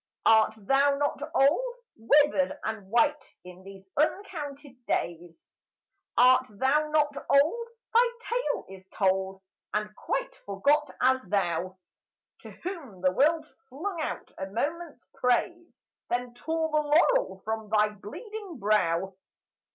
Art thou not old ? Withered and white in these uncounted days ; Art thou not old ? Thy tale is told, And quite forgot as thou, To whom the world flung out a moment's praise, Then tore the laurel from thy bleeding brow.